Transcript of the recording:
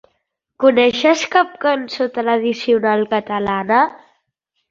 Coneixes cap cançó tradicional catalana?